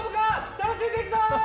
楽しんでいくぞ！